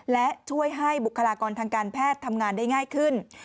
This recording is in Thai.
และช่วยให้บุคลากรทางการแพทย์ทำงานได้ง่ายขึ้น